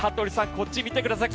こっちを見てください。